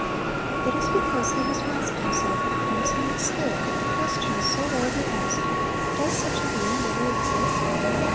It is because he has masked himself with consummate skill that the question is so widely asked, "Does such a being really exist?"